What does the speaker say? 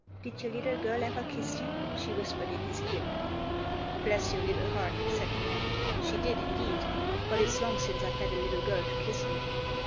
"Did your little girl ever kiss you?" she whispered in his ear. "Bless your little heart!" said the man, "she did, indeed; but it's long since I've had a little girl to kiss me."